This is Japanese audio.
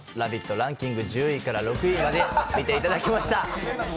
ランキング、１０位から６位まで見ていただきました。